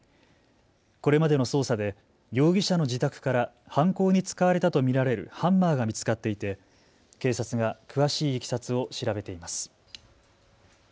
これまでの捜査で容疑者の自宅から犯行に使われたと見られるハンマーが見つかっていて警察が詳しいいきさつを調べています。